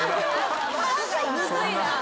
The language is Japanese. むずいな。